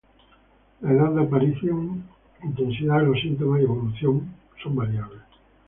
La edad de aparición, intensidad de los síntomas y evolución son variables.